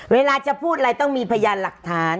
เวลาจะพูดอะไรต้องมีพยานหลักฐาน